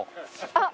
あっ！